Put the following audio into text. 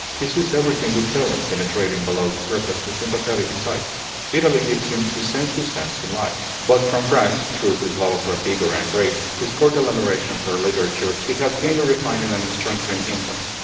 He sees everything with feeling, penetrating below the surface with sympathetic insight. Italy gives him his sensuous zest in life. But from France, through his love of her vigor and grace, his cordial admiration of her literature, he has gained a refining and strengthening influence.